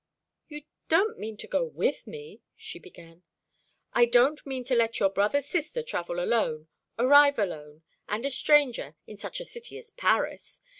"You don't mean to go with me?" she began. "I don't mean to let your brother's sister travel alone, arrive alone, and a stranger, in such a city as Paris.